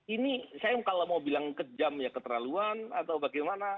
ini saya kalau mau bilang kejam ya keterlaluan atau bagaimana